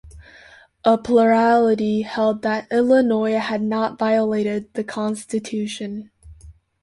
A plurality held that Illinois had not violated the Constitution.